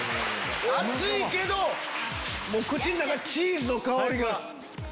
熱いけど口の中チーズの香りが。